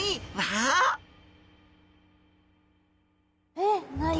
えっ何？